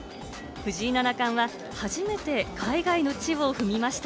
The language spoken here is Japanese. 藤井七冠は初めて海外の地を踏みました。